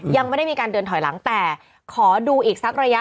ยังไม่ได้มีการเดินถอยหลังแต่ขอดูอีกสักระยะ